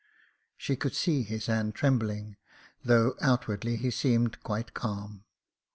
She could see his hand trembling, though outwardly he seemed quite calm.